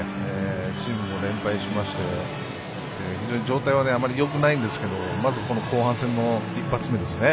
チームも連敗しまして非常に状態はよくないんですけどまず、この後半戦の一発目ですよね。